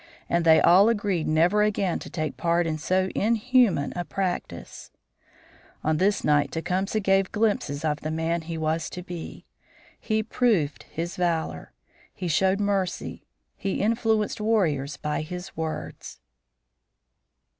And they all agreed never again to take part in so inhuman a practice. On this night Tecumseh gave glimpses of the man he was to be. He proved his valor; he showed mercy; he influenced warriors by his words.